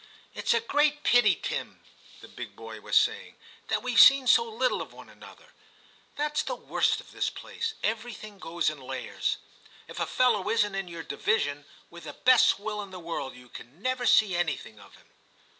* 'It's a great pity, Tim,' the big boy was saying, 'that weVe seen so little of one another ; that's the worst of this place, every thing goes in layers. If a fellow isn't in your division, with the best will in the world you can never see anything of him.'